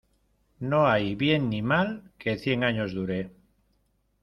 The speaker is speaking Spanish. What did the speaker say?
No hay bien ni mal que cien años dure.